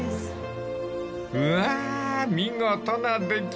［うわ見事な出来だ］